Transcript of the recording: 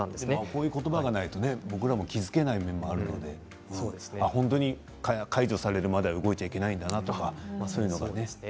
こういうことばがないと僕らも気付けない面もあるので解除されるまでは動いちゃいけないんだなとそういうのは。